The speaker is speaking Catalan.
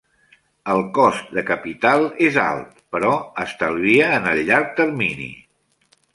El cost de capital és alt, però estalvia en el llarg termini.